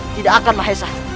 tidak akanlah hezat